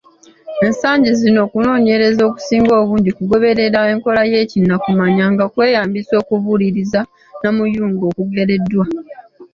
Ensangi zino, okunoonyereza okusinga obungi kugobererea enkola y’ekinnakumanya nga kweyambisa okubuuliriza namuyungo okugereddwa.